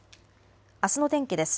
あすの天気です。